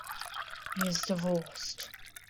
He is divorced.